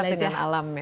dekat dengan alam ya